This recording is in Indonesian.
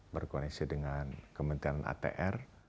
berkoneksi dengan kementerian atr